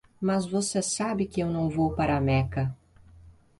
Mas você sabe que eu não vou para Meca.